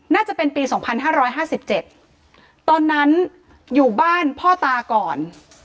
น่าจะเป็นปีสองพันห้าร้อยห้าสิบเจ็ดตอนนั้นอยู่บ้านพ่อตาก่อน